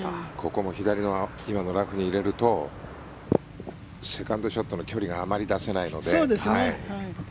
ここも左の今のラフに入れるとセカンドショットの距離があまり出せないので。